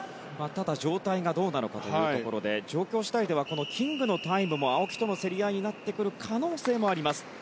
ただ、状態がどうなのかということで状況次第ではキングのタイムも青木との競り合いになってくる可能性もあります。